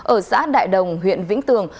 ở xã đại đồng huyện vĩnh tường